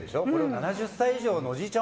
７０歳以上のおじいちゃん